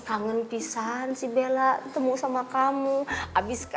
tante jadi bella mah